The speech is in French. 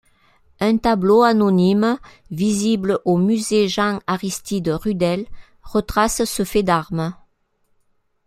Un tableau anonyme visible au Musée Jean-Aristide Rudel, retrace ce fait d'armes.